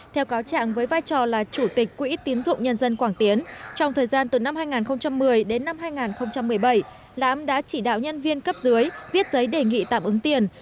theo cáo trạng với vai trò là chủ tịch quỹ tiến dụng nhân dân quảng tiến trong thời gian từ năm hai nghìn một mươi đến năm hai nghìn một mươi bảy lãm đã chỉ đạo nhân viên cấp dưới viết giấy đề nghị tạm ứng tiền